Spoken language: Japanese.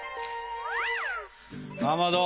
かまど